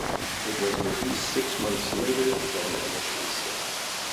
It was released six months later than initially scheduled.